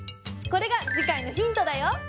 これが次回のヒントだよ！